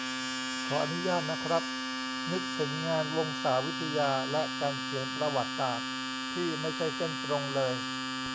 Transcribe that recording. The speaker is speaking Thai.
ขออนุญาตนะครับ นึกถึงงานวงศาวิทยา และการเขียนประวัติศาสตร์ที่ไม่ใช่เส้นตรงเลย